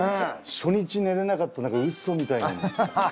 初日寝られなかったのがウソみたいに。